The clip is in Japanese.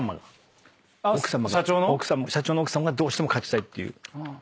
社長の奥さんがどうしても勝ちたいっていう。